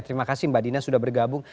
terima kasih mbak dina sudah bergabung